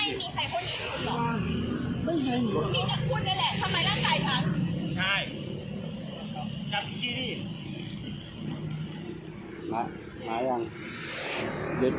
ถ้าคุณมีผมจับแด๊ไม่จำที่สิ